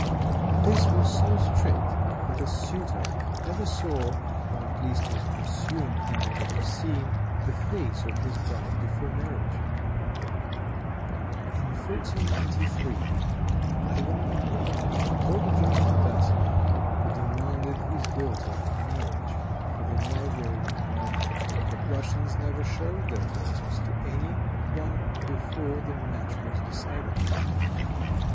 This was so strict that a suitor never saw, or at least was presumed never to have seen, the face of his bride before marriage. In 1493, Ivan the Great told a German embassador who demanded his daughter in marriage for the Margrave of Baden, that Russians never showed their daughters to any one before the match was decided.